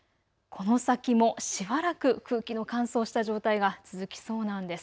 この先もしばらく空気の乾燥した状態が続きそうなんです。